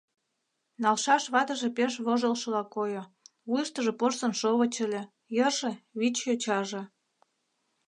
Налшаш ватыже пеш вожылшыла койо, вуйыштыжо порсын шовыч ыле, йырже — вич йочаже.